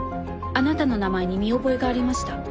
あなたの名前に見覚えがありました。